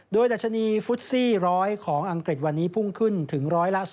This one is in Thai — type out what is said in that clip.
โดยดัชนีฟุตซี่๑๐๐ของอังกฤษวันนี้พุ่งขึ้นถึง๑๐